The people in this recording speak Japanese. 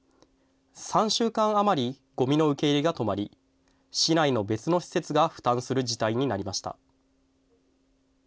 ３週間余り、ごみの受け入れが止まり、市内の別の施設が負担する事態になりました。